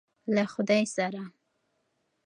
له خدای سره.